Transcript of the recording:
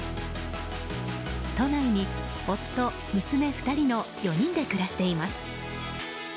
都内に夫、娘２人の４人で暮らしています。